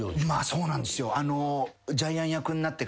そうなんですよ。